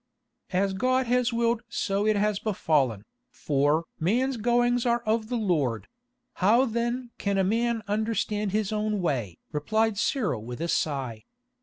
"As God has willed so it has befallen, for 'man's goings are of the Lord; how then can a man understand his own way?'" replied Cyril with a sigh.